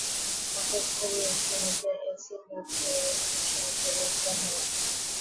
পাকস্থলীর উচ্চমাত্রার এসিড-মাধ্যম এ অণুজীবের সংক্রমণের সহায়ক।